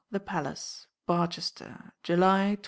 The Palace, Barchester, July 22.